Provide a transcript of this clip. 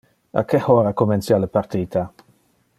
A que hora comencia le partita?